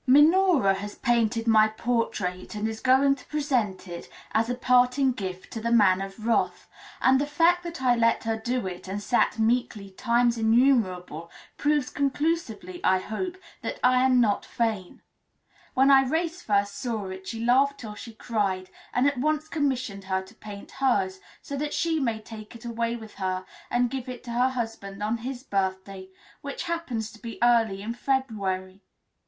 Minora has painted my portrait, and is going to present it as a parting gift to the Man of Wrath; and the fact that I let her do it, and sat meekly times innumerable, proves conclusively, I hope, that I am not vain. When Irais first saw it she laughed till she cried, and at once commissioned her to paint hers, so that she may take it away with her and give it to her husband on his birthday, which happens to be early in February.